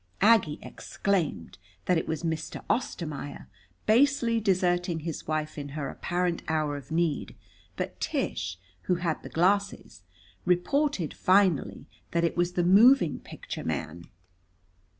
Aggie exclaimed that it was Mr. Ostermaier, basely deserting his wife in her apparent hour of need. But Tish, who had the glasses, reported finally that it was the moving picture man.